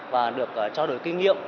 và được trao đổi kinh nghiệm